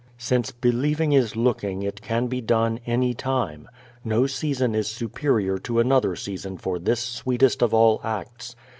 Since believing is looking it can be done any time. No season is superior to another season for this sweetest of all acts.